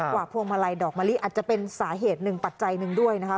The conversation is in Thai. พวงมาลัยดอกมะลิอาจจะเป็นสาเหตุหนึ่งปัจจัยหนึ่งด้วยนะคะ